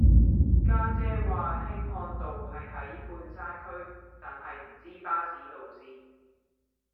家姐話興漢道係喺半山區但係唔知巴士路線